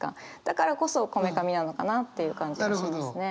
だからこそこめかみなのかなっていう感じはしますね。